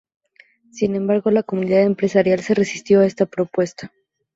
Sin embargo la comunidad empresarial se resistió a esta propuesta.